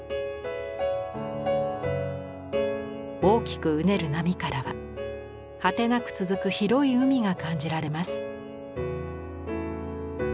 大きくうねる波からは果てなく続く広い海が感じられます。